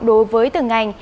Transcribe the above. đối với từng ngành